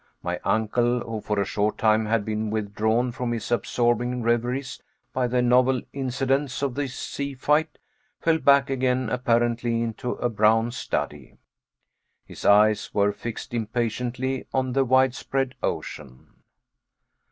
My uncle, who for a short time had been withdrawn from his absorbing reveries by the novel incidents of this sea fight, fell back again apparently into a brown study. His eyes were fixed impatiently on the widespread ocean.